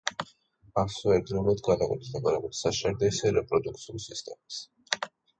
ასო ერთდროულად განეკუთვნება როგორც საშარდე, ისე რეპროდუქციულ სისტემას.